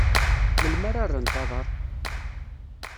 Melmi ara rrent aḍar?